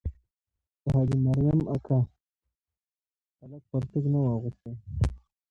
د حاجي مریم اکا هلک پرتوګ نه وو اغوستی.